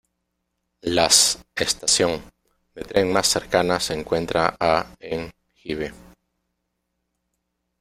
Las estación de tren más cercana se encuentra a en Give.